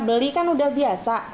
beli kan udah biasa